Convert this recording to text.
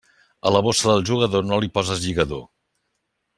A la bossa del jugador no li poses lligador.